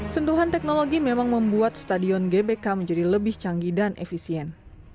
sentuhan teknologi memang membuat stadion gbk menjadi lebih canggih dan efisien